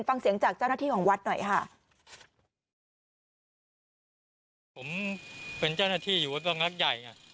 ฟังเสียงจากเจ้าหน้าที่ของวัดหน่อยค่ะ